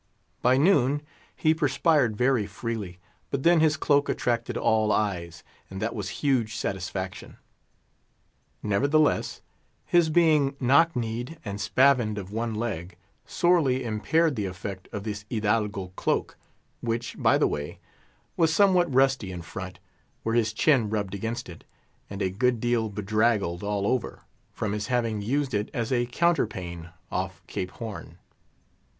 By noon, he perspired very freely; but then his cloak attracted all eyes, and that was huge satisfaction. Nevertheless, his being knock kneed, and spavined of one leg, sorely impaired the effect of this hidalgo cloak, which, by the way, was some what rusty in front, where his chin rubbed against it, and a good deal bedraggled all over, from his having used it as a counterpane off Cape Horn.